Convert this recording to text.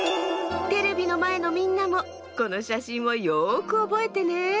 テレビのまえのみんなもこのしゃしんをよくおぼえてね。